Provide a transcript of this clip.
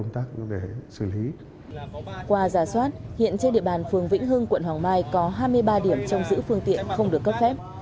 trên địa bàn phường vĩnh hưng quận hoàng mai có hai mươi ba điểm trong giữ phương tiện không được cấp phép